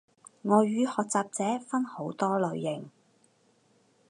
外語學習者分好多類型